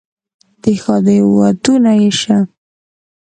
د ښادۍ ودونه یې شه،